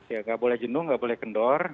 ya nggak boleh jenuh nggak boleh kendor